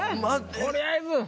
とりあえず。